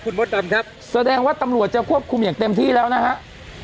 คุณมดดำครับแสดงว่าตำรวจจะควบคุมอย่างเต็มที่แล้วนะฮะ